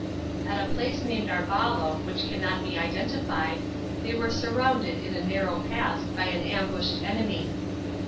At a place named Arbalo, which cannot be identified, they were surrounded in a narrow pass by an ambushed enemy.